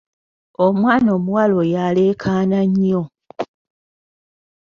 Omwana omuwala oyo aleekaana nnyo.